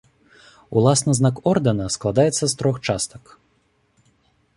Уласна знак ордэна складаецца з трох частак.